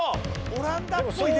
オランダっぽいでも。